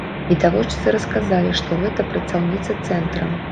Відавочцы расказалі, што гэта працаўніца цэнтра.